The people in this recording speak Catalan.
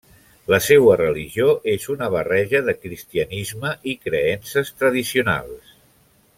La seua religió és una barreja de cristianisme i creences tradicionals.